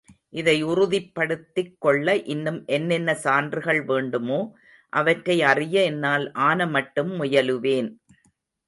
இதை உறுதிப்படுத்திக் கொள்ள இன்னும் என்னென்ன சான்றுகள் வேண்டுமோ அவற்றை அறிய என்னால் ஆனமட்டும் முயலுவேன்.